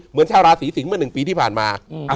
เหมือนชาวลาศรีสิงศ์เมื่อหนึ่งปีที่ผ่านมา